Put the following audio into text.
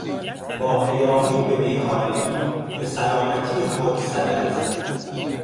با ادامهی به میخوارگی به سلامتی خود صدمه زد.